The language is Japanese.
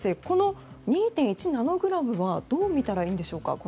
この２．１ナノグラムはどう見たらいいでしょうか？